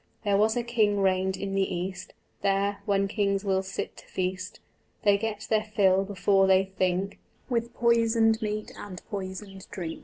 There was a king reigned in the East: There, when kings will sit to feast, They get their fill before they think With poisoned meat and poisoned drink.